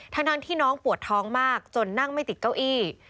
ทั้งที่น้องปวดท้องมากจนนั่งไม่ติดเก้าอี้